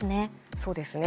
そうですね。